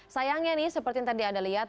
sayangnya nih seperti yang tadi anda lihat